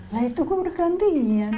lah itu kok udah ganti ian